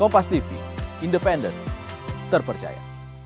bapak ada recetan bertemu dengan bomega